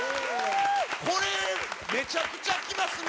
これ、めちゃくちゃきますね。